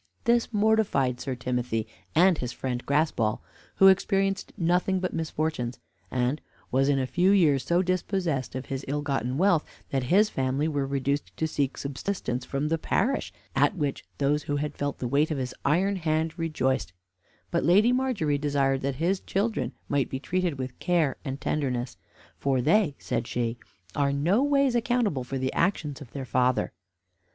This mortified Sir Timothy and his friend Graspall, who experienced nothing but misfortunes, and was in a few years so dispossessed of his ill gotten wealth, that his family were reduced to seek subsistance from the parish, at which those who had felt the weight of his iron hand rejoiced; but Lady Margery desired that his children might be treated with care and tenderness; "for they" (says she) "are noways accountable for the actions of their father."